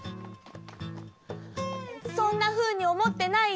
そんなふうにおもってないよ。